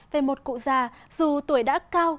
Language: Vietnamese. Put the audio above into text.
về một cụ già dù tuổi đã cao